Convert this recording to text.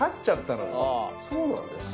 そうなんですか？